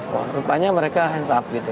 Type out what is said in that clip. wah rupanya mereka hands up gitu